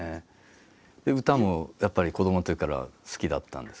歌もやっぱり子どものときから好きだったんですか？